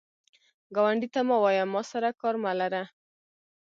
ګاونډي ته مه وایه “ما سره کار مه لره”